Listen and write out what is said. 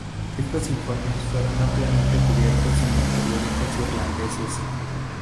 Estos informes fueron ampliamente cubiertos en los periódicos irlandeses.